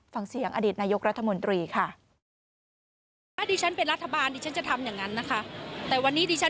ฟังเสียงอดีตนายกรัฐมนตรีค่ะ